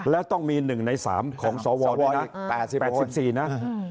แล้วต้องมี๑ใน๓ของสวด้วยนะ๘๔นะ